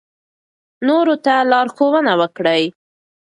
نورو ته لارښوونه وکړئ.